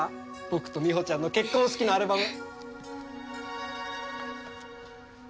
僕とみほちゃんの結婚式のアルバム。